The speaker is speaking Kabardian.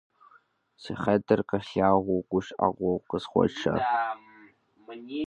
Си хьэтыр къэлъагъу, гущӏэгъу къысхуэщӏ.